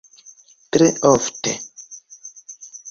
Tre ofte.